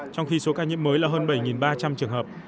trong khi số ca nhiễm mới là hơn bảy ba trăm linh trường hợp